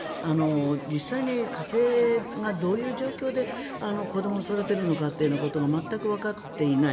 実際に家庭がどういう状況で子どもを育てるのかってことが全くわかっていない。